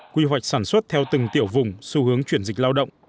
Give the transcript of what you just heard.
quy hoạch sản xuất theo từng tiểu vùng xu hướng chuyển dịch lao động